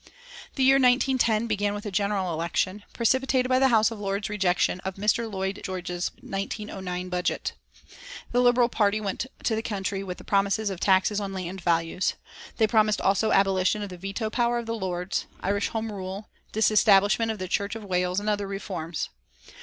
The year 1910 began with a general election, precipitated by the House of Lords' rejection of Mr. Lloyd George's 1909 budget. The Liberal Party went to the country with promises of taxes on land values. They promised also abolition of the veto power of the Lords, Irish Home Rule, disestablishment of the Church of Wales, and other reforms.